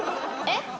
えっ？